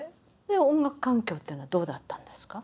音楽環境っていうのはどうだったんですか？